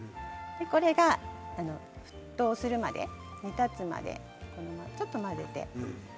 これが沸騰するまで煮立つまでちょっと混ぜて。